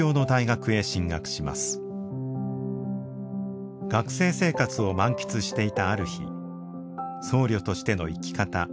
学生生活を満喫していたある日僧侶としての生き方